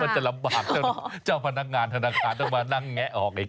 จะลำบากเจ้าพนักงานธนาคารต้องมานั่งแงะออกอีก